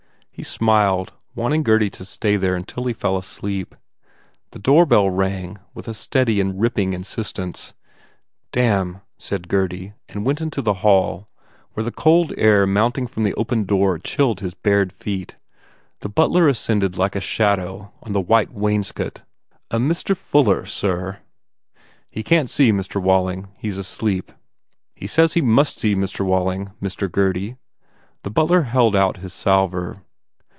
He smiled, wanting Gurdy to stay there until he fell asleep. The doorbell rang with a steady and ripping insistence. "Damn," said Gurdy and went into the hall where the cold air mounting from the opened 267 THE FAIR REWARDS door chilled his bare feet. The butler ascended like a shadow on the white wainscot. "A Mr. Fuller, sir." "He can t see Mr. Walling. He s, asleep." "He says he must see Mr. Walling, Mr. Gurdy." The butler held out his salver.